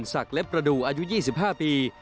เล็บประดูกอายุ๒๕ปี